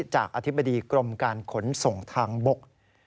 จากอธิบดีกรมการขนส่งทางบก